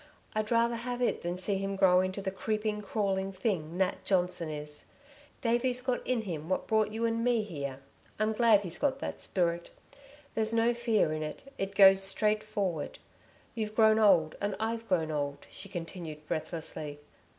I'd rather have it than see him grow into the creeping, crawling thing Nat Johnson is. Davey's got in him what brought you and me here. I'm glad he's got that spirit. There's no fear in it it goes straight forward. You've grown old and I've grown old," she continued breathlessly.